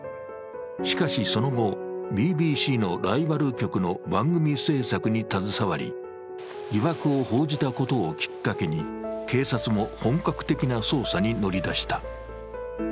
しかしその後、ＢＢＣのライバル局の番組制作に携わり疑惑を報じたことをきっかけに、警察も本格的な捜査に乗り出した。